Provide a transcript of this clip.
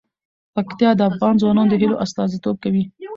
پکتیا د افغان ځوانانو د هیلو استازیتوب کوي.